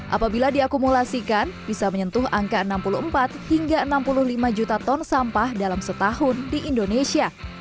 apabila diakumulasikan bisa menyentuh angka enam puluh empat hingga enam puluh lima juta ton sampah dalam setahun di indonesia